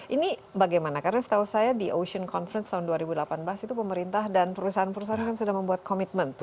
ini bagaimana karena setahu saya di ocean conference tahun dua ribu delapan belas itu pemerintah dan perusahaan perusahaan kan sudah membuat komitmen